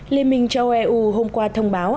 liên minh châu âu eu hôm qua thông báo